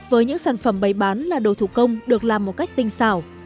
với những sản phẩm bày bán là đồ thủ công được làm một cách tinh xảo